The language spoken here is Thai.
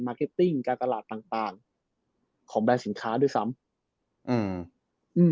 เก็ตติ้งการตลาดต่างต่างของแบรนด์สินค้าด้วยซ้ำอืมอืม